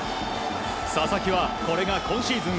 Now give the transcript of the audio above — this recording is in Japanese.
佐々木はこれが今シーズン